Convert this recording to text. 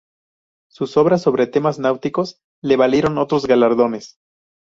Sus obras sobre temas náuticos le valieron otros galardones.